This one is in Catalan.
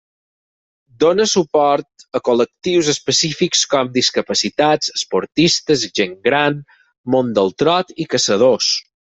Donà suport a col·lectius específics com discapacitats, esportistes, gent gran, món del trot, i caçadors.